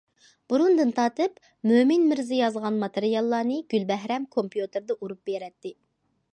بۇرۇندىن تارتىپ مۆمىن مىرزا يازغان ماتېرىياللارنى گۈلبەھرەم كومپيۇتېردا ئۇرۇپ بېرەتتى.